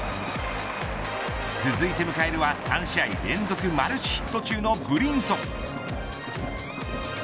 続いて迎えるは３試合連続マルチヒット中のブリンソン。